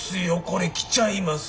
これ来ちゃいますよ